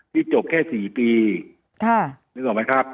จบแค่๔ปีนึกออกไหมครับ